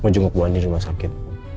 jenguk buah nih rumah sakit